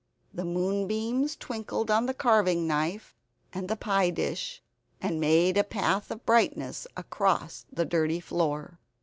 The moonbeams twinkled on the carving knife and the pie dish, and made a path of brightness across the dirty floor.